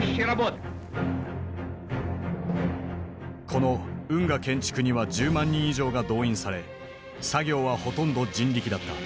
この運河建築には１０万人以上が動員され作業はほとんど人力だった。